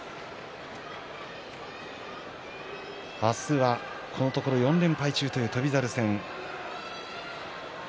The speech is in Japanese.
明日はこのところ４連敗中という翔猿戦。